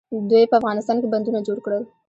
دوی په افغانستان کې بندونه جوړ کړل.